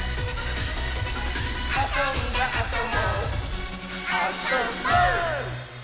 「あそんだあともあ・そ・ぼっ」